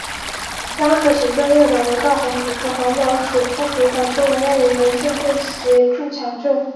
当时行政院长刘兆玄指示环保署副署长邱文彦与文建会协助抢救。